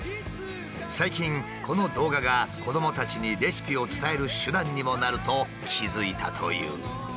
最近この動画が子どもたちにレシピを伝える手段にもなると気付いたという。